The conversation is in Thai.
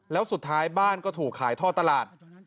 แล้วสุดท้ายบ้านก็ถูกขายท่อตลาด